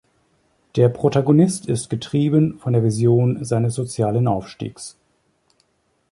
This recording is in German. Der Protagonist ist getrieben von der Vision seines sozialen Aufstieges.